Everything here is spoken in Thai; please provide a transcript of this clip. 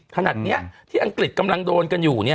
ขนาดนี้ที่อังกฤษกำลังโดนกันอยู่